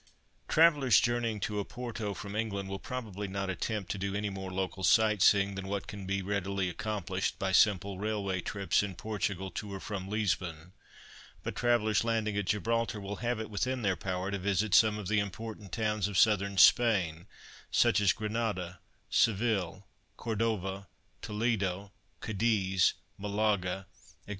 Travellers journeying to Oporto from England will probably not attempt to do any more local sight seeing than what can be readily accomplished by simple railway trips in Portugal to or from Lisbon; but travellers landing at Gibraltar will have it within their power to visit some of the important towns of Southern Spain, such as Granada, Seville, Cordova, Toledo, Cadiz, Malaga, &c.